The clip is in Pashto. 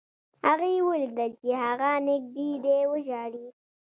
هغې ولیدل چې هغه نږدې دی وژاړي